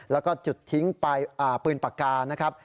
แล้วก็จุดทิ้งปืนปากกานะครับ